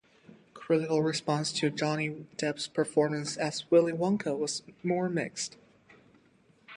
Critical response to Johnny Depp's performance as Willy Wonka was more mixed.